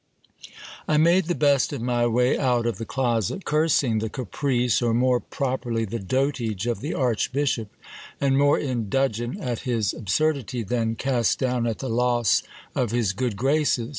I made the best of my way out of the closet, cursing the caprice, or more pro perly the dotage of the archbishop, and more in dudgeon at his absurdity, than cast down at the loss of his good graces.